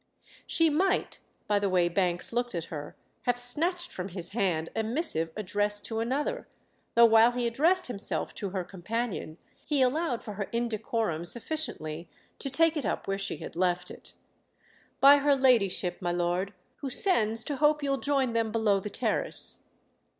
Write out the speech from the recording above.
She might, by the way Banks looked at her, have snatched from his hand a missive addressed to another; though while he addressed himself to her companion he allowed for her indecorum sufficiently to take it up where she had left it. "By her ladyship, my lord, who sends to hope you'll join them below the terrace."